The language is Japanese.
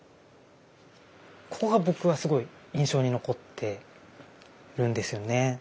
ここが僕はすごい印象に残っているんですよね。